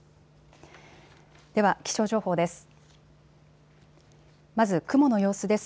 では気象情報です。